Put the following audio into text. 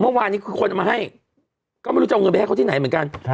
เมื่อวานนี้คือคนเอามาให้ก็ไม่รู้จะเอาเงินไปให้เขาที่ไหนเหมือนกัน